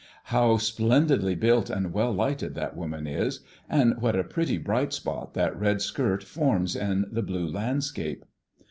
How splendidly built and well lighted that woman is! And what a pretty bright spot that red skirt forms in the blue landscape!"